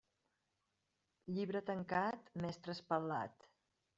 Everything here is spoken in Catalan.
Llibre tancat, mestre espatlat.